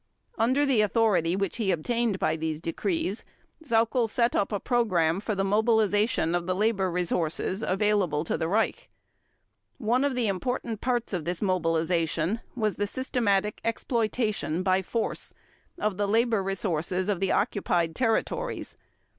Under the authority which he obtained by these decrees, Sauckel set up a program for the mobilization of the labor resources available to the Reich. One of the important parts of this mobilization was the systematic exploitation, by force, of the labor resources of the occupied territories.